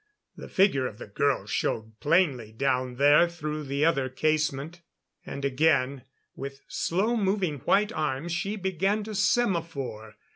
The figure of the girl showed plainly down there through the other casement. And again, with slow moving white arms she began to semaphore.